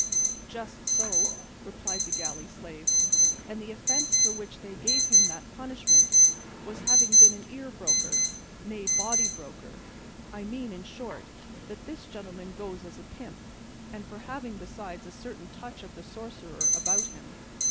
"Just so," replied the galley slave, "and the offence for which they gave him that punishment was having been an ear broker, nay body broker; I mean, in short, that this gentleman goes as a pimp, and for having besides a certain touch of the sorcerer about him."